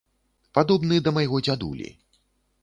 Падобны да майго дзядулі.